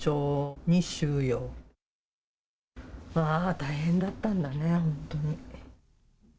大変だったんだね、本当に。